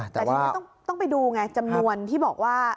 แต่ทีนี้ต้องไปดูไงจำนวนที่บอกว่า